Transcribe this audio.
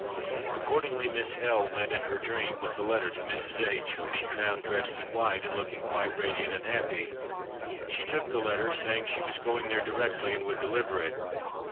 Accordingly, Miss L—— went, in her dream, with the letter to Mrs. H——, whom she found dressed in white, and looking quite radiant and happy. She took the letter, saying she was going there directly, and would deliver it.